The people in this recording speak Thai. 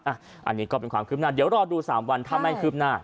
อันนี้ก็เป็นความคืบหน้าเดี๋ยวรอดู๓วันถ้าไม่คืบหน้า